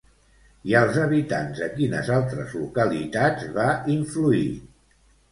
I als habitants de quines altres localitats va influir?